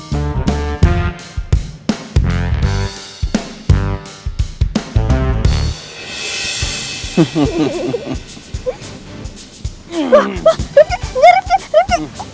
sampai jumpa di video selanjutnya